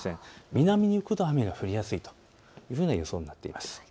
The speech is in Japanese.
南に行くほど雨が降りやすいというような予想になっています。